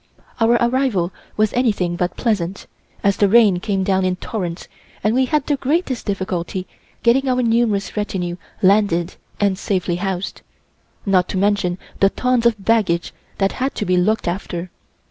Our arrival was anything but pleasant, as the rain came down in torrents, and we had the greatest difficulty getting our numerous retinue landed and safely housed, not to mention the tons of baggage that had to be looked after.